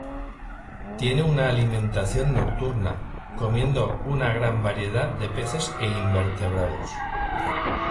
Tienen una alimentación nocturna, comiendo una gran variedad de peces e invertebrados.